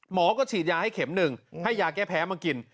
หมอก็ฉีดยาให้เข็มหนึ่งให้ยาแก้แพ้มากิน